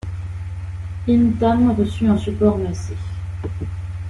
In Tam reçut un support massif.